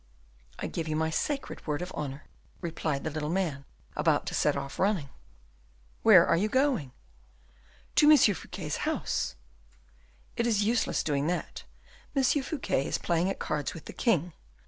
"I give you my sacred word of honor," replied the little man, about to set off running. "Where are you going?" "To M. Fouquet's house." "It is useless doing that; M. Fouquet is playing at cards with the king.